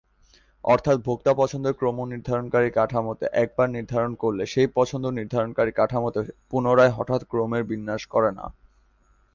অর্থাৎ ভোক্তা পছন্দের ক্রম নির্ধারণকারী কাঠামো একবার নির্ধারণ করলে, সেই পছন্দ নির্ধারণকারী কাঠামো তে পুনরায়, হঠাৎ ক্রমের বিন্যাস করে না।